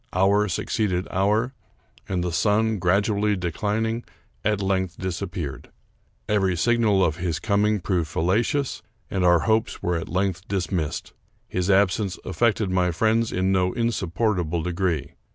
Hour suc ceeded hour, and the sun, gradually declining, at length disappeared. Every signal of his coming proved fallacious, and our hopes were at length dismissed. His absence af fected my friends in no insupportable degree.